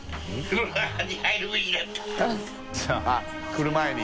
来る前に？